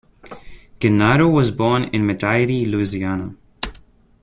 Gennaro was born in Metairie, Louisiana.